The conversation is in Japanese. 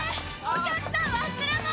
お客さん忘れ物！